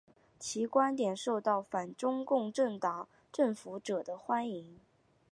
其观点受到反中共政府者的欢迎。